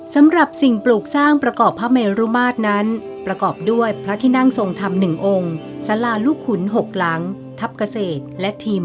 สำหรับสิ่งปลูกสร้างประกอบพระเมรุมาตรนั้นประกอบด้วยพระที่นั่งทรงธรรม๑องค์สาราลูกขุน๖หลังทัพเกษตรและทีม